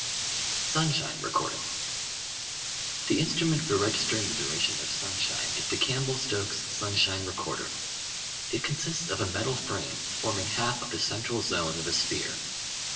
Sunshine Recording The instrument for registering the duration of sunshine is the Campbell Stokes sunshine recorder. It consists of a metal frame forming half of the central zone of a sphere.